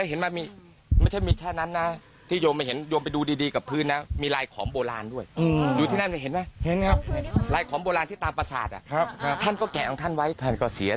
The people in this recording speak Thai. โอ้โฮไม่น่าไปทำลายพระท่านเลย